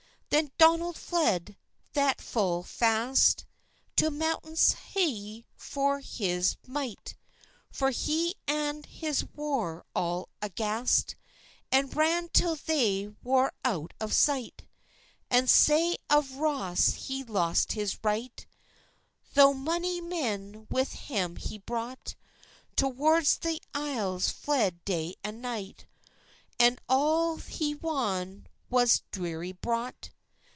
Then Donald fled, and that full fast, To mountains hich for all his micht; For he and his war all agast, And ran till they war out of sicht; And sae of Ross he lost his richt, Thocht mony men with hem he brocht; Towards the yles fled day and nicht, And all he wan was deirlie bocht.